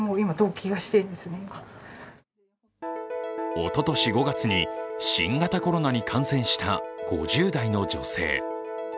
おととし５月に新型コロナに感染した５０代の女性。